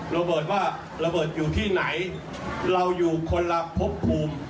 ระเบิดว่าระเบิดอยู่ที่ไหนเราอยู่คนละพบภูมิ